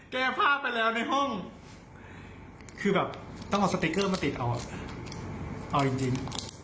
แก้ภาพไปแล้วในห้องคือแบบต้องเอาสติ๊กเกอร์มาติดเอาเอาจริง